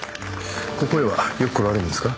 ここへはよく来られるんですか？